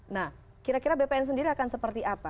nah kira kira bpn sendiri akan seperti apa